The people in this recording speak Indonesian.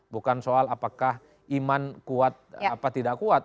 bukan soal apakah iman kuat apa tidak kuat